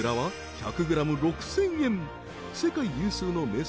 世界有数の名産地